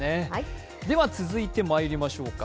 続いてまいりましょうか。